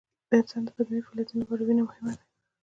د انسان د بدني فعالیتونو لپاره وینه مهمه ده